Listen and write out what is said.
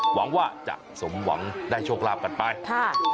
หวังว่าจะสมหวังได้โชคลาภกันไปค่ะ